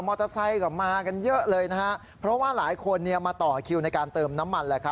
มอเตอร์ไซต์กลับมากันเยอะเลยชิงวาหลายคนนี่มาต่อคิวในการเติมน้ำมัน